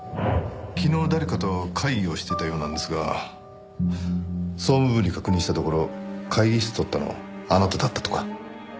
昨日誰かと会議をしていたようなんですが総務部に確認したところ会議室を取ったのあなただったとか。